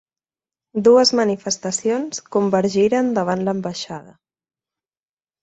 Dues manifestacions convergiren davant l'ambaixada.